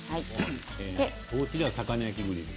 おうちでは魚焼きグリル？